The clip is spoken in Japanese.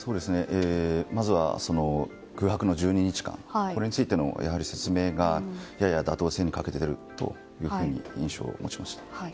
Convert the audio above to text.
まずは、空白の１２日間これについての説明がやや妥当性に欠けているという印象を持ちましたね。